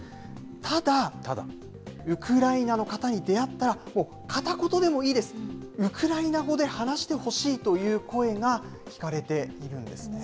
ただ、ウクライナの方に出会ったら、片言でもいいです、ウクライナ語で話してほしいという声が聞かれているんですね。